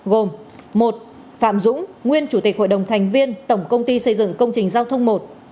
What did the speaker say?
gồm một phạm dũng nguyên chủ tịch hội đồng thành viên tổng công ty xây dựng công trình giao thông một